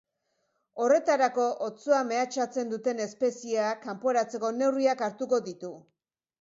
Horretarako, otsoa mehatxatzen duten espezieak kanporatzeko neurriak hartuko ditu.